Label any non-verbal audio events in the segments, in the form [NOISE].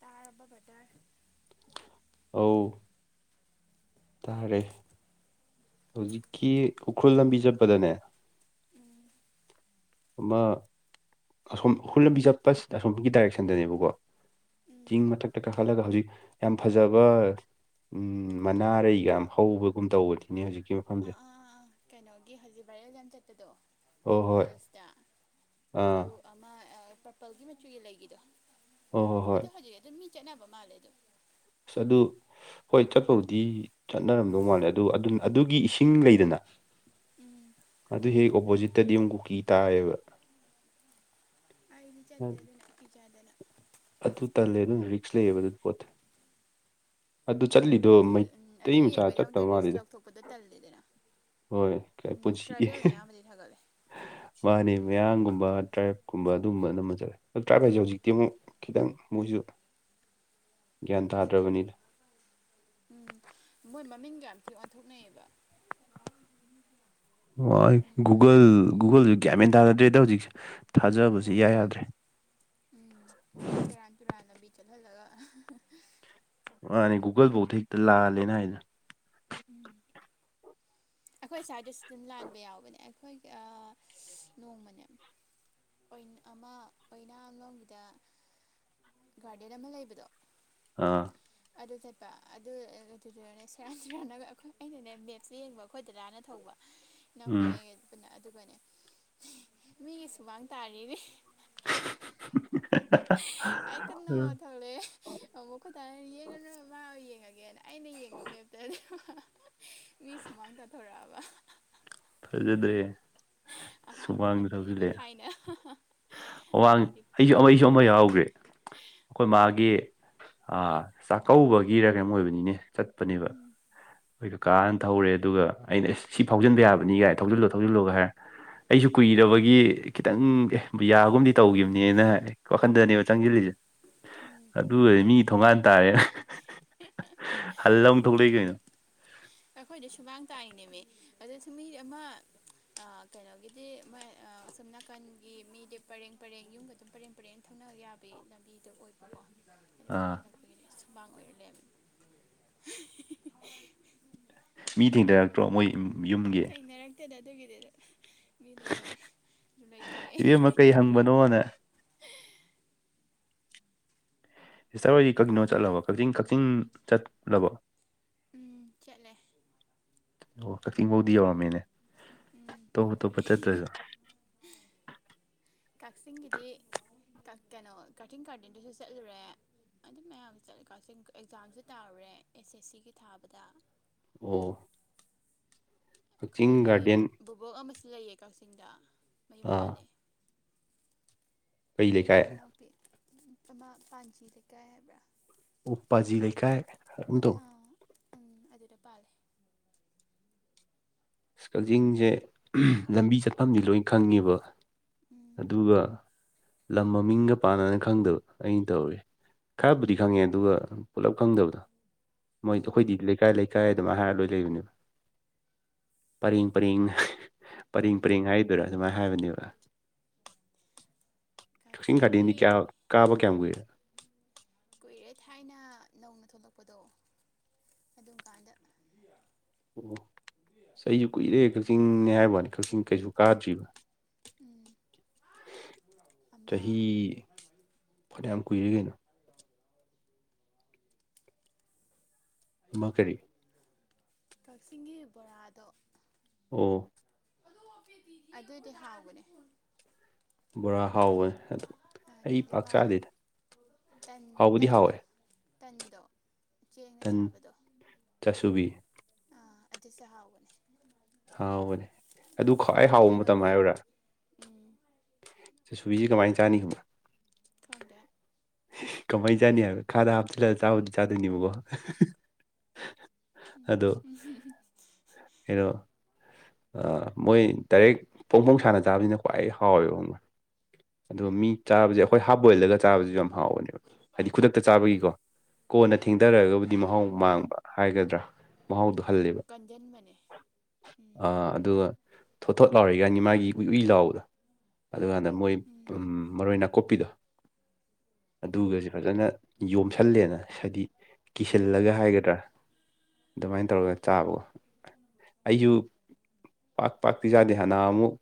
ꯇꯥꯔꯔꯕꯕꯗꯔ ꯑꯧ ꯇꯥꯔꯦ ꯍꯧꯖꯤꯛꯀꯤ ꯎꯈ꯭ꯔꯨꯜ ꯂꯝꯕꯤ ꯆꯠꯄꯗꯅꯦ ꯎꯝ ꯑꯃ ꯑꯁꯣꯝ ꯎꯈꯣꯏꯜ ꯂꯝꯕꯤ ꯆꯠꯄꯁꯤꯗ ꯑꯣꯝꯒꯤ ꯗꯥꯏꯔꯦꯛꯁꯟꯗꯅꯦꯕꯀꯣ ꯎꯝ ꯆꯤꯡ ꯃꯊꯛꯇ ꯀꯥꯈꯠꯂꯒ ꯍꯧꯖꯤꯛ ꯌꯥꯝ ꯐꯖꯕ ꯎꯝ ꯃꯅꯥꯔꯩꯒ ꯌꯥꯝ ꯍꯧꯕꯒꯨꯝ ꯇꯧꯕꯗꯨꯅꯦ ꯍꯧꯖꯤꯛ ꯑꯥ ꯑꯥ ꯑꯥ ꯀꯩꯅꯣꯒꯤ ꯍꯧꯖꯤꯛ ꯚꯥꯏꯖ ꯆꯠꯄꯗꯣ ꯍꯣꯏ ꯍꯣꯏ ꯁꯇ ꯑꯥ ꯕ꯭ꯂꯨ ꯑꯃ ꯄꯔꯄꯜꯒꯤ ꯃꯆꯨꯒꯤ ꯂꯩꯒꯤꯗꯣ ꯍꯣꯏ ꯍꯣꯏ ꯍꯣꯏ ꯑꯗꯨ ꯍꯧꯖꯤꯛ ꯑꯗꯨꯝ ꯃꯤ ꯆꯠꯅꯕ ꯃꯥꯜꯂꯦ ꯑꯗꯨ ꯁꯗꯨꯨ ꯍꯣꯏ ꯆꯠꯄꯕꯨꯗꯤ ꯆꯠꯅꯔꯝꯗꯧ ꯃꯥꯜꯂꯦ ꯑꯗꯨ ꯑꯗꯨ ꯑꯗꯨꯒꯤ ꯏꯁꯤꯡ ꯂꯩꯗꯅ ꯎꯝ ꯑꯗꯨ ꯍꯦꯛ ꯑꯣꯄꯣꯖꯤꯠꯇꯗꯤ ꯑꯃꯨꯛ ꯀꯨꯀꯤ ꯇꯥꯏꯌꯦꯕ ꯑꯩꯗꯤ ꯆꯠꯇꯗ ꯀꯤꯆꯥꯗꯅ ꯑꯗꯨ ꯇꯜꯂꯦ ꯑꯗꯨꯅ ꯔꯤꯛꯁ ꯂꯩꯌꯦꯕ ꯑꯗꯨꯗꯤ ꯄꯣꯠꯇꯦ ꯑꯗꯨ ꯆꯠꯂꯤꯗꯣ ꯑꯗꯨ ꯎꯝ ꯑꯗꯨ ꯃꯩꯇꯩ ꯃꯆꯥ ꯌꯦꯡꯕꯩꯗꯤ ꯑꯃꯨꯛꯇ ꯆꯠꯇꯕ ꯔꯤꯛꯁ ꯃꯥꯜꯂꯤꯗ ꯂꯧꯊꯣꯛꯄꯗꯣ ꯇꯜꯂꯤꯗꯅ ꯍꯣꯏ ꯀꯥꯏ ꯎꯝ ꯄꯨꯁꯤꯦ [INAUDIBLE] ꯇ꯭ꯔꯥꯏꯕꯦꯜꯅ ꯑꯌꯥꯝꯕꯗꯤ ꯊꯥꯒꯠꯂꯦ ꯃꯥꯅꯦ ꯃꯌꯥꯡꯒꯨꯝꯕ ꯇ꯭ꯔꯥꯏꯞꯀꯨꯝꯕ ꯑꯗꯨꯒꯨꯝꯕ ꯑꯅꯝꯕ ꯆꯠꯂꯦ ꯇ꯭ꯔꯥꯏꯕ ꯍꯥꯏꯁꯦ ꯍꯧꯖꯤꯛꯇꯤ ꯑꯃꯨꯛ ꯈꯤꯇꯪ ꯃꯣꯏꯁꯨ ꯒ꯭ꯌꯥꯟ ꯇꯥꯗ꯭ꯔꯕꯅꯤꯅ ꯎꯝ ꯃꯣꯏ ꯃꯃꯤꯡꯒ ꯌꯥꯝ ꯊꯤ ꯑꯣꯟꯊꯣꯛꯅꯩꯑꯌꯦꯕ ꯑꯣ ꯃꯣꯏ ꯒꯨꯒꯜ ꯀꯩꯅꯣꯉꯩꯗꯤ ꯒꯨꯒꯜ ꯀꯌꯥꯃꯦꯟ ꯊꯥꯖꯗ꯭ꯔꯦꯗ ꯍꯧꯖꯤꯛꯁꯦ ꯊꯥꯖꯕꯁ ꯍꯣꯏ ꯌꯥ ꯍꯣꯏ ꯌꯥꯗ꯭ꯔꯦ ꯎꯝ ꯁꯦꯔꯥꯟ ꯇꯨꯔꯥꯟ ꯂꯝꯕꯤ ꯆꯠꯍꯜꯂꯒ ꯑꯅꯦ ꯒꯨꯒꯜ ꯐꯥꯎ ꯍꯦꯛꯇ ꯂꯥꯜꯂꯦ ꯍꯥꯏꯗꯅ ꯎꯝ ꯑꯩꯈꯣꯏ ꯁ꯭ꯋꯥꯏꯗꯁꯨ ꯑꯗꯨꯝ ꯂꯥꯟꯕ ꯌꯥꯎꯕꯅꯦ ꯑꯩꯈꯣꯏꯒꯤ ꯑꯥ ꯅꯣꯡꯃꯅꯦ ꯑꯃ ꯑꯣꯏꯅꯥ ꯑꯂꯣꯝꯒꯤꯗ ꯒꯥꯔꯗꯦꯟ ꯑꯃ ꯂꯩꯕꯗꯣ ꯑꯥ ꯑꯗꯨ ꯆꯠꯄ ꯑꯗꯨ ꯑꯗꯨꯗꯨꯅꯅꯦ ꯁꯔꯥꯟ ꯇꯨꯔꯟꯅꯕ ꯩ ꯑꯩꯈꯣꯏ ꯑꯩꯅꯅꯦ ꯃꯦꯞꯁꯦ ꯌꯦꯡꯕ ꯑꯩꯈꯣꯏ ꯗꯥꯗꯥꯅ ꯊꯧꯕ [UNINTELLIGIBLE] ꯏꯅꯥꯎꯄꯤꯉꯩꯒ ꯄꯨꯅ ꯑꯗꯨꯒꯅꯦ ꯃꯤꯒꯤ ꯁꯨꯃꯥꯡ ꯇꯥꯔꯤꯅꯦ [INAUDIBLE] ꯑꯥꯏ ꯇ ꯎꯝ ꯅꯗꯧꯦ [INAUDIBLE] ꯑꯃꯨꯛ ꯑꯩꯈꯣꯏ ꯗꯥꯅ ꯌꯦꯡꯉꯅꯣꯏ ꯃꯥꯑꯣꯢꯅ ꯌꯦꯡꯉꯒꯦꯅ ꯑꯩꯅ ꯌꯦꯡꯕ ꯃꯦꯞꯇꯅꯦꯕ ꯃꯤ ꯁꯨꯃꯥꯡ ꯇꯥꯊꯣꯔꯛꯑꯕ ꯐꯖꯗꯦꯍꯦ ꯑꯍꯥꯟꯕꯩ ꯆꯠꯄꯗꯅꯤꯀꯣ ꯊꯥꯏꯅ ꯑꯋꯥꯡ ꯑꯩꯗꯤ ꯑꯩꯁꯨ ꯄꯦꯜꯂꯦ ꯑꯃ ꯑꯩꯁꯨ ꯑꯃ ꯌꯥꯎꯒꯦ ꯑꯩꯈꯣꯏ ꯃꯥꯒꯤ ꯆꯥꯛꯀꯧꯕꯒꯤꯔ ꯀꯩꯅꯝ ꯑꯣꯏꯕꯅꯤꯅꯦ ꯆꯠꯄꯅꯦꯕ ꯎꯝ ꯑꯩꯣꯏꯗꯣ ꯀꯥꯅ ꯊꯧꯔꯦ ꯑꯗꯨꯒ ꯑꯩꯅ ꯑꯦꯁ ꯁꯤ ꯐꯥꯎꯖꯤꯟꯕ ꯌꯥꯕꯅꯤꯒꯥꯏ ꯊꯧꯖꯤꯜꯂꯣ ꯊꯧꯖꯤꯜꯂꯣꯒ ꯍꯥꯏꯔꯦ ꯑꯩꯁꯨ ꯀꯨꯏꯔꯕꯒꯤ ꯈꯤꯇꯪ ꯑꯦ ꯕꯨ ꯌꯥꯒꯨꯝꯗꯤ ꯇꯧꯒꯤꯈꯤꯕꯅꯦꯅ ꯍꯥꯏ ꯋꯥꯈꯟꯗꯅꯦꯕ ꯆꯪꯁꯤꯜꯂꯤꯁꯦ ꯎꯝ ꯑꯗꯨꯒꯗꯤ ꯃꯤ ꯊꯣꯡꯒꯥꯟ ꯇꯥꯔꯦ ꯍꯜꯂ ꯑꯃꯨꯛ ꯊꯣꯛꯂꯛ ꯑꯦ ꯀꯩꯅꯣ ꯑꯩꯈꯣꯏꯗꯤ ꯁꯨꯃꯥꯡ ꯇꯥꯛꯏꯅꯦꯃꯤ ꯑꯗꯨꯗꯁꯨ ꯃꯤ ꯑꯃ ꯀꯩꯅꯣꯒꯤꯗꯤ ꯃ ꯑꯁꯣꯝ ꯅꯥꯀꯟꯒꯤ ꯃꯤꯗꯤ ꯄꯔꯦꯡ ꯄꯔꯦꯡ ꯌꯨꯝꯒ ꯑꯗꯨꯝ ꯄꯔꯦꯡ ꯄꯔꯦꯡ ꯊꯧꯅꯕ ꯌꯥꯕꯒꯤ ꯂꯝꯕꯤꯗꯣ ꯑꯣꯏꯕꯀꯣ ꯑꯥ ꯑꯗꯨꯒꯤ ꯑꯩꯈꯣꯏꯒꯤꯗꯤ ꯁꯨꯃꯥꯡ ꯑꯣꯏꯔ ꯂꯩꯔꯝꯃꯦ ꯃꯤ ꯊꯦꯡꯅꯔꯛꯇ꯭ꯔꯣ ꯃꯣꯏ ꯌꯨꯝꯒꯤ ꯍꯠꯇꯦꯗ ꯑꯗꯨꯒꯤꯗꯤ ꯃꯤ ꯂꯩꯔꯝꯗꯦ ꯑꯗꯨ ꯂꯩꯊꯣꯔꯛꯑꯦ ꯟꯑꯣꯣꯅꯦ [INAUDIBLE] ꯁꯤꯁꯇꯔ ꯍꯣꯏꯗꯤ ꯀꯥꯛꯆꯤꯡꯗꯣ ꯆꯠꯂꯕꯣ ꯀꯥꯛꯆꯤꯡ ꯀꯥꯛꯆꯤꯡ ꯆꯠꯂꯕꯣ ꯎꯝ ꯆꯠꯂꯦ ꯑꯣ ꯀꯥꯛꯆꯤꯡ ꯐꯥꯎꯗꯤ ꯌꯧꯔꯝꯃꯦꯅꯦ ꯎꯝ ꯑꯇꯣꯞ ꯌꯧꯔꯦ ꯑꯇꯣꯞꯄ ꯆꯠꯇ꯭ꯔꯁꯨ [UNINTELLIGIBLE] ꯀꯛꯆꯤꯡꯒꯤꯗꯤ ꯀꯩꯅꯣ ꯀꯛꯆꯤꯡ ꯒꯥꯔꯗꯦꯟꯗꯨꯁꯨ ꯆꯠꯂꯨꯔꯦ ꯑꯗꯨ ꯃꯌꯥꯝ ꯆꯠꯂꯀꯥ ꯑꯦꯛꯖꯥꯝꯁꯦ ꯇꯥꯔꯨꯔꯦ ꯑꯦꯁ ꯑꯦꯁ ꯁꯤꯒꯤ ꯊꯥꯕꯗ ꯑꯣ ꯀꯛꯆꯤꯡ ꯑꯩꯈꯣꯏꯒꯤ ꯒꯥꯔꯗꯦꯟ ꯕꯨꯕꯣꯛ ꯑꯃ __ ꯂꯩꯌꯦ ꯀꯛꯆꯤꯡꯗ ꯃꯌꯨꯝ ꯑꯥ ꯄꯥꯜꯂꯦ ꯀꯩ ꯂꯩꯀꯥꯏ ꯑꯩꯣꯏꯕꯣꯛ ꯃꯅꯥꯎꯄꯤ ꯑꯃꯃꯥ ꯄꯥꯟꯖꯤ ꯂꯩꯀꯥꯏ ꯍꯥꯏꯕ꯭ꯔꯥ ꯎꯄꯥꯖꯤ ꯂꯩꯀꯥꯏ ꯍꯥꯢꯀꯨꯝ ꯑꯥ ꯎꯝ ꯑꯗꯨꯗ ꯄꯥꯜꯂꯦ ꯑꯁ ꯀꯛꯆꯤꯡꯁꯦ ꯂꯝꯕꯤ ꯆꯠꯐꯝꯁꯦ ꯂꯣꯏ ꯈꯪꯉꯦꯕ ꯎꯝ ꯑꯗꯨꯒ ꯂꯝ ꯃꯃꯤꯡꯒ ꯄꯥꯟꯅꯅ ꯈꯪꯗꯕ ꯑꯩꯅ ꯇꯧꯔꯤꯁꯦ ꯈꯔꯕꯨꯗꯤ ꯈꯪꯉꯦ ꯑꯗꯨꯒ ꯄꯨꯂꯞ ꯈꯪꯗꯕꯗꯣ ꯃꯣꯏꯗꯣ ꯎꯝ ꯑꯩꯈꯣꯏꯗꯤ ꯂꯩꯀꯥꯏ ꯂꯩꯀꯥꯏ ꯑꯗꯨꯝꯃꯥꯏ ꯍꯥꯏꯔꯒ ꯂꯣꯏ ꯂꯩꯕꯅꯦꯕ ꯄꯔꯦꯡ ꯄꯔꯦꯡ ꯄꯔꯦꯡ ꯎꯝ ꯄꯔꯦꯡ ꯍꯥꯏꯗꯨꯣꯏꯔꯥ ꯑꯗꯨꯃꯥꯏꯅ ꯍꯥꯏꯕꯅꯦꯕ ꯀꯛꯆꯤꯡ ꯀꯛꯆꯤꯡꯒꯤ ꯒꯥꯔꯗꯦꯟꯗꯤ ꯀꯌꯥ ꯀꯥꯕ ꯀꯌꯥꯝ ꯀꯨꯏꯔꯦ ꯀꯨꯏꯔꯦ ꯊꯥꯏꯅ ꯅꯧꯅ ꯊꯣꯛꯂꯛꯄꯗꯣ ꯑꯗꯨꯝꯀꯥꯟꯗ ꯑꯣ ꯑꯩꯁꯨ ꯀꯨꯏꯔꯦ ꯀꯛꯆꯤꯡꯅꯦ ꯍꯥꯏꯕꯩ ꯋꯥꯅꯤ ꯀꯛꯆꯤꯡ ꯀꯩꯁꯨ ꯀꯥꯗ꯭ꯔꯤꯕ ꯎ ꯑꯃ ꯆꯍꯤ ꯍꯣ ꯐꯅꯌꯥꯝ ꯀꯨꯏꯔꯦ ꯀꯩꯅꯣ ꯑꯃ ꯀꯔꯤ ꯀꯛꯆꯤꯡꯒꯤ ꯕꯣꯔꯥꯗꯣ ꯑꯣ ꯑꯗꯨꯏꯗꯤ ꯍꯥꯎꯕꯅꯦ ꯕꯣꯔꯥ ꯍꯥꯎꯕꯅꯦ ꯑꯗꯨ ꯑꯩ ꯄꯥꯛ ꯑꯗꯒꯤꯃ ꯆꯥꯗꯦꯗ ꯇꯟ ꯍꯥꯎꯕꯨꯗꯤ ꯇꯟꯗ ꯍꯥꯎꯋꯦ ꯇꯟꯗꯣ ꯆꯦꯡꯅ ꯇꯟ ꯁꯥꯕꯗꯣ ꯆꯥꯁꯨꯕꯤ ꯑꯥ ꯑꯗꯨ ꯆꯥꯛꯍꯥꯎꯕꯅꯦ ꯍꯥꯎꯕꯅꯦ ꯑꯗꯨ ꯈ꯭ꯋꯥꯏ ꯍꯥꯎꯕ ꯃꯇꯝ ꯀꯩꯅꯣꯗꯤ ꯍꯥꯏꯌꯨꯔꯥ ꯎꯝ ꯆꯥꯁꯨꯕꯤꯁꯦ ꯀꯃꯥꯏꯅ ꯆꯥꯅꯤ ꯈꯪꯕꯔ ꯈꯗꯦ ꯀꯃꯥꯏꯅ ꯆꯥꯅꯤ ꯍꯥꯏꯕꯣ ꯈꯥꯗ ꯍꯥꯞꯆꯤꯜꯂꯒ ꯆꯥꯕꯗꯤ ꯆꯥꯗꯣꯏꯅꯦꯕꯀꯣ ꯎꯝ ꯑꯗꯣ ꯀꯩꯅꯣ ꯃꯣꯏ ꯗꯥꯏꯔꯦꯛ ꯐꯣꯡ ꯐꯣꯡ ꯁꯥꯟꯅ ꯆꯥꯕꯁꯤꯅ ꯈ꯭ꯋꯥꯏ ꯍꯥꯎꯋꯦꯕ ꯈꯪꯕꯔ꯭ ꯑꯗꯨꯒ ꯃꯤ ꯆꯥꯕꯁꯦ ꯎꯝ ꯑꯩꯈꯣꯏ ꯍꯥꯞ ꯕꯣꯏꯜꯗꯒ ꯆꯥꯕꯁꯨ ꯌꯥꯝ ꯍꯥꯎꯕꯅꯦꯕ ꯍꯥꯏꯗꯤ ꯈꯨꯗꯛꯇ ꯆꯥꯕꯒꯤꯀꯣ ꯀꯣꯟꯅ ꯊꯦꯡꯊꯔꯒꯕꯨꯗꯤ ꯃꯍꯥꯎ ꯎꯝ ꯃꯥꯡꯕ ꯍꯥꯏꯒꯗ꯭ꯔꯥ ꯃꯍꯥꯎꯗꯣ ꯍꯣꯏ ꯍꯜꯂꯦꯕ ꯀꯟꯖꯟꯕꯅꯦ ꯎꯝ ꯑꯗꯨꯒ ꯊꯣꯠ ꯊꯣꯠ ꯂꯥꯎꯔꯤ ꯀꯅꯤ ꯃꯥꯒꯤ ꯎꯋ ꯎꯏ ꯂꯥꯎꯕꯗꯣ ꯑꯗꯨꯀꯥꯟꯗ ꯃꯣꯏ ꯎꯝ ꯃꯔꯣꯏ ꯅꯥꯀꯨꯞꯄꯤꯗꯣ ꯎꯝ ꯑꯗꯨꯒꯁꯦ ꯐꯖꯅ ꯌꯣꯝꯁꯜꯂꯦꯗꯅ ꯍꯥꯏꯗꯤ ꯀꯤꯁꯜꯂꯒ ꯎꯝ ꯍꯥꯏꯒꯗ꯭ꯔꯥ ꯑꯗꯨꯃꯥꯏꯅ ꯇꯧꯔꯒ ꯆꯥꯕꯒꯣ ꯑꯁꯨꯨ ꯄꯥꯛ ꯄꯥꯛꯀꯤꯤꯖꯥꯗꯦ ꯍꯅꯥ ꯑꯃꯨꯛ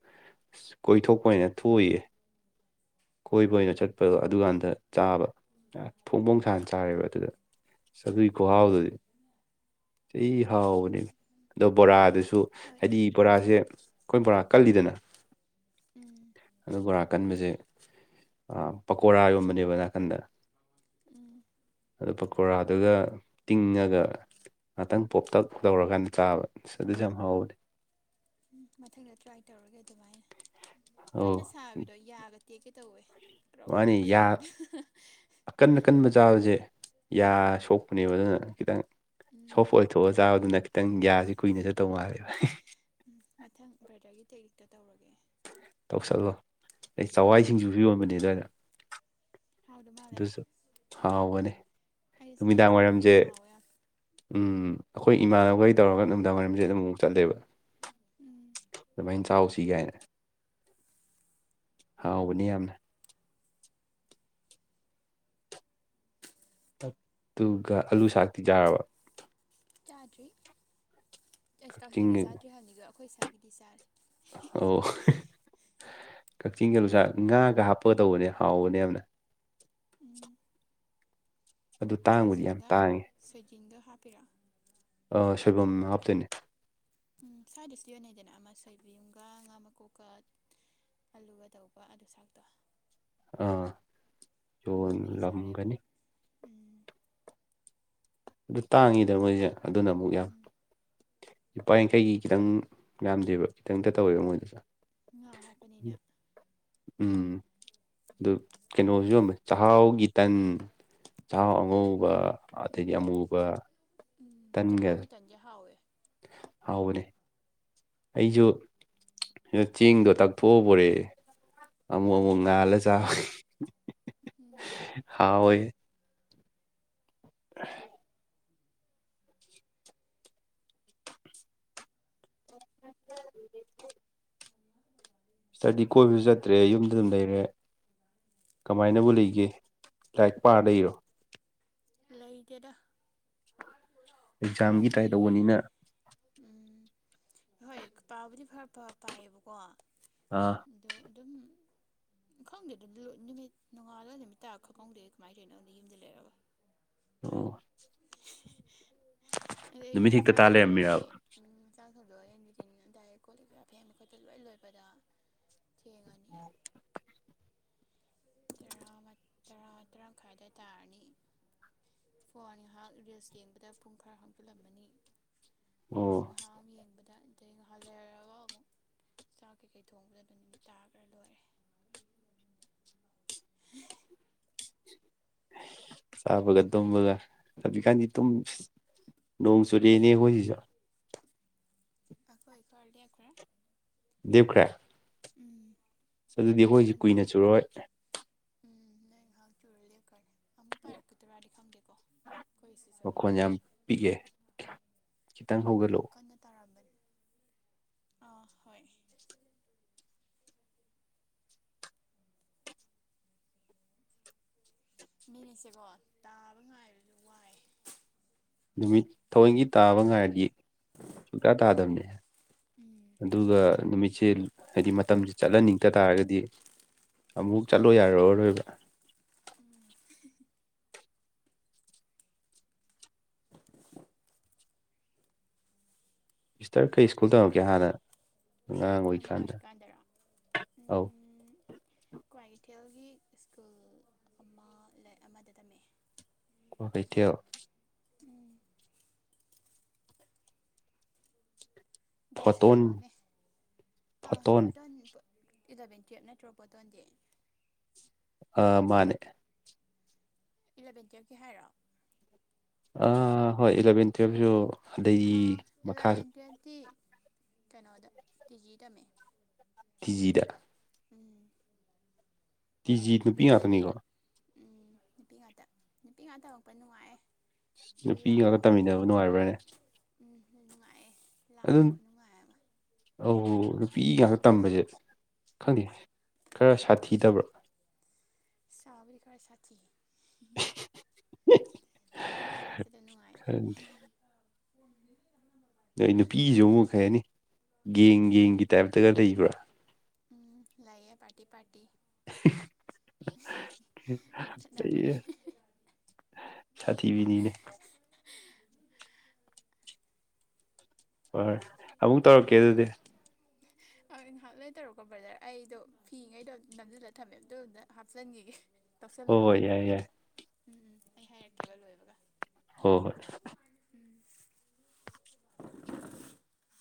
ꯀꯣꯏꯊꯣꯛꯄ ꯑꯣꯏꯅ ꯊꯣꯛꯎꯨꯏꯌꯦ ꯀꯣꯏꯕ ꯑꯣꯏꯅ ꯆꯠꯄꯗꯣ ꯑꯗꯨꯀꯥꯟꯗ ꯆꯥꯕ ꯐꯣꯡ ꯐꯣꯡ ꯁꯅ ꯆꯥꯔꯦꯕ ꯑꯗꯨꯗ ꯁꯒꯣꯏ ꯈꯍꯥꯎꯗꯨꯗꯤ ꯎꯝ ꯁꯤ ꯍꯥꯎꯕꯅꯦ ꯑꯗꯣ ꯕꯣꯔꯥꯗꯨꯁꯨ ꯁꯨ ꯍꯣꯏ ꯍꯥꯏꯗꯤ ꯕꯣꯔꯥꯁꯦ ꯑꯩꯈꯣꯏ ꯕꯣꯔꯥ ꯀꯜꯂꯤꯗꯅ ꯎꯝ ꯑꯗꯣ ꯕꯣꯔꯥ ꯀꯟꯕꯁꯦ ꯑ ꯄꯀꯣꯔꯥ ꯌꯣꯟꯕꯅꯦꯕ ꯅꯥꯀꯟꯗ ꯎꯝ ꯑꯗꯨ ꯄꯀꯣꯔꯥꯗꯒ ꯇꯤꯡꯉꯒ ꯉꯥꯛꯇꯪ ꯄꯣꯞꯇꯛ ꯇꯧꯔꯀꯥꯟꯗ ꯆꯥꯕ ꯁꯤ ꯑꯗꯨ ꯌꯥꯝ ꯍꯧꯋꯦ ꯝ ꯃꯊꯪꯗ ꯇ꯭ꯔꯥꯏ ꯇꯧꯔꯒꯦ ꯑꯗꯨꯃꯥꯏꯅ ꯑꯧ ꯀꯟꯅ ꯁꯥꯕꯤꯗꯣ ꯌꯥꯒ ꯇꯦꯛ ꯀꯩ ꯇꯧꯋꯦ ꯀ꯭ꯔꯛ ꯃꯥꯅꯤ ꯀ꯭ꯔꯛ ꯌꯥ ꯁꯥꯗ ꯑꯀꯟ ꯑꯀꯟꯕ ꯆꯥꯕꯁꯦ ꯌꯥ ꯁꯣꯛꯄꯅꯦꯕ ꯑꯗꯨꯅ ꯈꯤꯇꯪ ꯎꯝ ꯁꯣꯐ ꯑꯣꯏꯊꯣꯛꯑ ꯆꯥꯕꯗꯨꯅ ꯈꯤꯇꯪ ꯒ꯭ꯌꯥꯁꯤ ꯀꯨꯏꯅ ꯆꯠꯇꯧ ꯃꯥꯜꯂꯦꯕ ꯎꯝ ꯃꯊꯪ ꯕ꯭ꯔꯗꯔꯒꯤ ꯇꯦꯛꯅꯤꯛꯇ ꯇꯧꯔꯒꯦ ꯇꯧꯁꯜꯂꯣ ꯑꯩ ꯆꯋꯥꯏ ꯎꯝ ꯁꯤꯡꯖꯨ ꯁꯨ ꯌꯣꯟꯕꯅꯦ ꯑꯗꯨꯋꯥꯏꯗ ꯍꯥꯎꯗꯧ ꯃꯥꯜꯂꯦ ꯑꯗꯨꯁꯨ ꯍꯥꯎꯕꯅꯤ ꯑꯩꯗꯤ ꯆꯥꯛꯍꯋꯥꯏ ꯁꯤꯡꯖꯨꯁꯦ ꯍꯥꯎꯋꯦ ꯌꯥꯝ ꯎꯝ ꯑꯩꯈꯣꯏ ꯏꯃꯥꯟꯅꯕꯈꯩ ꯇꯧꯔꯒ ꯅꯨꯃꯤꯗꯥꯡ ꯋꯥꯏꯔꯝꯁꯦ ꯑꯗꯨꯝ ꯑꯃꯨꯛꯃꯨꯛ ꯆꯠꯂꯦꯕ ꯎꯝ ꯑꯗꯨꯃꯥꯏꯅ ꯆꯥꯎꯁꯤ ꯀꯥꯏꯅ ꯍꯥꯎꯕꯅꯤ ꯌꯥꯝꯅ ꯨ ꯑꯥꯂꯨ ꯁꯥꯛꯇꯤ ꯆꯥꯔꯕ ꯆꯥꯗ꯭ꯔꯤ ꯑꯁ ꯀꯛꯆꯤꯡꯒꯤ ꯆꯥꯗ꯭ꯔꯤ ꯍꯥꯏꯕꯅꯤꯗ ꯑꯩꯈꯣꯏ ꯏꯁꯥꯒꯤꯗꯤ ꯆꯥꯔꯦ ꯑꯣ ꯀꯛꯆꯤꯡꯒꯤ ꯂꯨꯆꯥꯛ ꯉꯥꯒ ꯍꯥꯞꯄꯒꯗꯧꯕꯅꯦ ꯍꯥꯎꯕꯅꯦ ꯌꯥꯝꯅ ꯎꯝ ꯑꯗꯨ ꯇꯥꯡꯕꯨꯗꯤ ꯌꯥꯝ ꯁꯣꯏꯖꯤꯟꯒ ꯇꯥꯡꯉꯦ ꯁꯣꯏꯖꯤꯟꯗꯣ ꯍꯥꯞꯄꯤꯔꯣ ꯑꯣ ꯁꯣꯏꯕꯨꯝ ꯍꯥꯞꯇꯣꯏꯅꯦ ꯎꯝ ꯁ꯭ꯋꯥꯏꯗꯁꯨ ꯌꯣꯟꯅꯩꯗꯅ ꯑꯃ ꯁꯣꯏꯕꯨꯝꯒ ꯉꯥ ꯃꯀꯣꯛꯀ ꯑꯂꯨꯒ ꯇꯧꯔꯒ ꯑꯂꯨ ꯁꯥꯛꯇꯣ ꯑꯥ ꯑꯗꯨꯝꯕꯗꯤ ꯆꯥꯔꯦꯕ ꯌꯣꯟꯂꯝꯒꯅꯤ ꯎꯝ ꯑꯗꯨ ꯇꯥꯡꯉꯤꯗ ꯃꯣꯏꯁꯦ ꯑꯗꯨꯅ ꯑꯃꯨꯛ ꯌꯥꯝ ꯎꯝ ꯏꯄꯥ ꯌꯥꯡꯈꯩꯒꯤ ꯈꯤꯇꯪ ꯌꯥꯝꯗꯦꯕ ꯈꯤꯇꯪꯇ ꯇꯧꯋꯦꯕ ꯃꯣꯏꯗꯁꯨ ꯉꯥ ꯍꯥꯞꯄꯅꯤꯅ ꯎꯝ ꯑꯗꯨ ꯀꯩꯅꯣꯁꯨ ꯌꯣꯟꯕꯅꯦ ꯆꯥꯛꯍꯥꯎꯒꯤ ꯇꯟ ꯆꯥꯛꯍꯥꯎ ꯑꯉꯧꯕ ꯑꯗꯩꯗꯤ ꯑꯃꯨꯕ ꯎꯝ ꯇꯟꯒ ꯆꯥꯛꯍꯥꯎꯒꯤ ꯇꯟꯗꯤ ꯍꯥꯎꯋꯦ ꯍꯥꯎꯕꯅꯦ ꯑꯩꯁꯨ ꯁꯤꯗ ꯆꯦꯡꯗꯣ ꯇꯛꯊꯣꯛꯑ ꯄꯣꯔꯦ [UNINTELLIGIBLE] ꯑꯃꯨꯛ ꯑꯃꯨꯛ ꯉꯥꯜꯂ ꯆꯥꯢ ꯎꯝ ꯍꯥꯎꯋꯦ [UNINTELLIGIBLE] ꯁꯤꯗꯗ ꯀꯣꯏꯕꯁꯨ ꯆꯠꯇ꯭ꯔꯦ ꯌꯨꯝꯗ ꯑꯗꯨꯝ ꯂꯩꯔꯦ ꯀꯃꯥꯏꯅꯕꯨ ꯂꯩꯒꯦ ꯂꯥꯏꯔꯤꯛ ꯄꯥꯔ ꯂꯩꯔꯤꯔꯣ ꯂꯩꯇꯦꯗ ꯑꯦꯛꯖꯥꯝꯒꯤ ꯇ꯭ꯔꯥꯏ ꯑꯩꯗꯤ ꯇꯧꯕꯅꯤꯅ ꯎꯝ ꯍꯣꯏ ꯄꯥꯎꯕꯨꯗꯤ ꯐꯔ ꯐ ꯄꯥꯏꯌꯦꯕꯀꯣ ꯑꯥ ꯑꯗꯣ ꯑꯗꯨꯝ ꯈꯪꯗꯦ ꯑꯗꯨ ꯅꯨꯃꯤꯠ ꯅꯉꯥꯜꯂꯒ ꯅꯨꯃꯤꯠ ꯇꯔꯛ ꯈꯛ ꯈꯪꯗꯦ ꯀꯃꯥꯏ ꯇꯧꯔꯤꯅꯣ ꯈꯪꯗꯦ ꯌꯨꯝꯗ ꯂꯩꯔꯒ ꯑꯣ ꯅꯨꯃꯤꯠ ꯑꯌꯨꯛ-ꯑꯌꯨꯛꯇ ꯍꯦꯛꯇ ꯆꯥꯛ ꯇꯥ ꯊꯧꯗꯣꯛꯑꯅꯤ ꯂꯩꯔꯝꯃꯤꯔꯕ ꯎꯝ ꯆꯥꯛ ꯊꯗꯣꯛ ꯍꯦꯟ ꯗꯥꯏꯔꯦꯛ ꯀꯣꯂꯤꯛꯀ ꯐꯦꯡꯕ ꯈꯣꯠꯄ ꯂꯣꯏ ꯂꯣꯏꯕꯗ ꯊꯦꯡꯉꯅꯤ ꯇꯔꯥ ꯇꯔꯥ ꯃꯈꯥꯏꯗ ꯇꯥꯔꯅꯤ ꯐꯣꯟ ꯉꯍꯥꯛ ꯔꯤꯜꯁ ꯌꯦꯡꯕꯗ ꯄꯨꯡ ꯈꯔ ꯍꯧꯖꯤꯜꯂꯝꯃꯅꯤ ꯉꯥꯏ ꯑꯣ ꯉꯥꯏꯍꯥꯛ ꯌꯦꯡꯕꯗ ꯑꯗꯩ ꯉꯍꯜ ꯂꯩꯒ ꯑꯃꯨꯛ ꯆꯥꯛ ꯀꯩꯀꯩ ꯊꯣꯡꯕꯗ ꯑꯗꯨ ꯅꯨꯃꯤꯠ ꯇꯥꯈ꯭ꯔ ꯂꯣꯏꯔꯦ ꯍ [INAUDIBLE] ꯆꯥꯕꯒ ꯇꯨꯝꯕꯒ ꯍꯧꯖꯤꯛꯀꯥꯟꯗꯤ ꯇꯨꯝ ꯅꯣꯡ ꯆꯨꯨꯔꯦꯅꯦꯈꯣꯏꯁꯤꯖ ꯑꯈꯣꯏ ꯏ ꯈꯔꯗꯤ ꯈꯔ ꯂꯦꯞꯈꯔꯦ ꯎꯝ ꯑꯗꯨꯗꯤ ꯑꯩꯈꯣꯏꯁꯤ ꯑꯗꯨꯝꯇ ꯀꯨꯏꯅ ꯆꯨꯔꯣꯏ ꯎꯝ ꯅꯪ ꯉꯥꯏꯍꯥꯛ ꯆꯨꯔ ꯂꯦꯞꯀꯅꯤ ꯑꯃꯨꯛ ꯄꯥꯏꯔꯛꯀꯗꯔꯥꯗꯤ ꯈꯪꯗꯦꯀꯣ ꯃꯈꯣꯟ ꯌꯥꯝ ꯑꯩꯈꯣꯏ ꯄꯤꯛꯑꯦ ꯈꯤꯇꯪ ꯑꯩꯈꯣꯏꯗꯤ ꯉꯍꯥꯛ ꯍꯧꯒꯠꯂꯛꯑꯣ ꯀꯟꯅ ꯇꯥꯔꯝꯕꯅꯤ ꯑꯥ ꯍꯣꯏ ꯃꯤꯅꯤꯠꯁꯦꯀꯣ ꯇꯥꯕ ꯉꯥꯏꯕꯁꯨ ꯋꯥꯏ ꯅꯨꯃꯤꯠ ꯊꯑꯣꯏꯒꯤ ꯇꯥꯕ ꯉꯥꯏꯔꯗꯤ ꯁꯨꯡꯇꯥ ꯇꯥꯗꯕꯅꯦ ꯎꯝ ꯑꯗꯨꯒ ꯅꯨꯃꯤꯠꯁꯦ ꯍꯥꯏꯗꯤ ꯃꯇꯝꯁꯦ ꯆꯠꯍꯟꯅꯤꯡꯗ ꯇꯥꯔꯒꯗꯤ ꯑꯃꯨꯛ ꯆꯠꯂꯣ ꯌꯥꯔꯔꯣꯏꯕ ꯎꯝ ꯁꯤꯁꯇꯔ ꯀꯩ ꯁ꯭ꯀꯨꯜ ꯇꯝꯃꯛꯀꯦ ꯍꯥꯟꯅ ꯑꯉꯥꯡ ꯑꯣꯏꯀꯥꯟꯗꯔ ꯑꯧ ꯎꯝ ꯀ꯭ꯋꯥꯏꯀꯩꯊꯦꯜꯒꯤ ꯁ꯭ꯀꯨꯜ ꯑꯃ ꯂꯩ ꯑꯃꯗ ꯇꯝꯃꯛꯑꯦ ꯀ ꯀꯩꯇꯣ ꯎꯝ ꯒ꯭ꯌꯥꯁ ꯐꯣꯇꯣꯟ ꯇꯧꯔꯛꯑꯣꯅꯦ ꯑꯥ ꯐꯣꯇꯣꯟ ꯄꯇ [UNINTELLIGIBLE] ꯏꯂꯕꯦꯟ ꯇꯨꯌꯦꯞ ꯅꯠꯇ꯭ꯔꯣꯄꯣꯠꯇꯣꯟꯗꯤ ꯃꯥꯅꯦ ꯏꯂꯕꯦꯟ ꯇꯨꯌꯦꯜꯄꯀꯤ ꯍꯥꯏꯔꯣ ꯑ ꯍꯣꯏ ꯏꯂꯚꯦꯟ ꯇꯨꯋꯦꯜꯁꯨ ꯑꯦꯂꯚꯦꯟ ꯇꯨꯌꯦꯜꯞꯇꯤ ꯀꯩꯅꯣꯗ ꯇꯤ ꯖꯤ ꯇꯝꯃꯦ ꯀꯤꯖꯤꯗ ꯎꯝ ꯇꯤ ꯖꯤ ꯅꯨꯄꯤ ꯕ꯭ꯔꯗꯔꯗꯤ ꯉꯥꯛꯇꯅꯤꯀꯣ ꯎꯝ ꯅꯨꯄꯤ ꯉꯥꯛꯇ ꯅꯨꯄꯤ ꯉꯥꯛ ꯇꯝꯃꯛꯄ ꯅꯨꯡꯉꯥꯏꯌꯦ ꯅꯨꯄꯤ ꯉꯥꯛꯇ ꯂꯥꯡꯕꯩꯗꯤ ꯇꯝꯃꯤꯟꯅꯕ ꯅꯨꯡꯉꯥꯏꯕ꯭ꯔꯥꯅꯦ ꯎꯝ ꯅꯨꯡꯉꯥꯏꯌꯦ ꯂꯥꯡꯕ ꯑꯗꯨꯝ ꯈꯨꯅꯨꯡꯉꯥꯏ ꯑꯃ ꯑꯧ ꯅꯨꯄꯤ ꯉꯥꯛꯇ ꯇꯝꯕꯁꯦ ꯈꯪꯗꯦ ꯈꯔ ꯁꯥꯊꯤꯗꯕ꯭ꯔꯥ ꯁꯥꯕꯨꯗꯤ ꯈꯔ ꯁꯥꯊꯤ ꯑꯗꯨ ꯇꯁꯤꯗ ꯅꯨꯡꯉꯥꯏꯔꯦ ꯈꯔꯗꯤ ꯅꯣꯏ ꯅꯨꯄꯤꯁꯨ ꯑꯃꯨꯛ ꯀꯩꯍꯥꯏꯅꯤ ꯒꯦꯡ ꯒꯦꯡꯒꯤ ꯇꯥꯏꯞꯇꯒ ꯂꯩꯕ꯭ꯔꯥ ꯎꯝ ꯂꯥꯏꯌꯦ ꯄꯥꯔꯇꯤ ꯄꯥꯔꯇꯤ ꯃꯨꯛꯊꯠꯅꯕꯤ ꯑꯩ ꯁꯥꯊꯤꯕꯤꯅꯤꯅꯦ ꯍꯣꯏ ꯍꯣꯏ ꯑꯃꯨꯛ ꯇꯧꯔꯛꯀꯦ ꯑꯗꯨꯗꯤ ꯑꯪ ꯉꯥꯏꯍꯥꯛ ꯂꯩꯔ ꯇꯧꯔꯛꯀꯣ ꯕ꯭ꯔꯗꯔ ꯑꯩꯗꯣ ꯐꯤꯒꯩꯗꯣ ꯅꯝꯁꯤꯜꯂꯒ ꯊꯝꯃꯦ ꯑꯗꯨ ꯑꯝꯇ ꯍꯥꯞꯆꯤꯟꯈꯤꯒꯦ ꯍꯣꯏ ꯍꯣꯏ ꯇꯧꯁꯜꯂꯨꯕꯗꯣ ꯌꯥꯏ ꯌꯥꯏ ꯎꯝ ꯎꯝ ꯑꯩ ꯍꯥꯏꯔꯛꯀꯦꯕ ꯂꯣꯏꯕꯒ ꯍꯣꯏ ꯍꯣꯏ [UNINTELLIGIBLE]